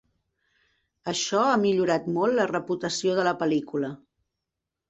Això ha millorat molt la reputació de la pel·lícula.